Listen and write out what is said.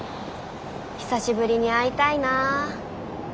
久しぶりに会いたいな。